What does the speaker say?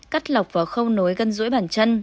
cắt lọc vào khâu nối gân rũi bàn chân